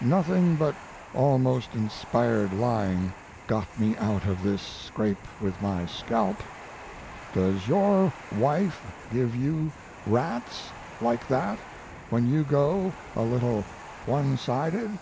Nothing but almost inspired lying got me out of this scrape with my scalp. Does your wife give you rats, like that, when you go a little one sided?